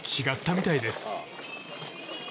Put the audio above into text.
違ったみたいです。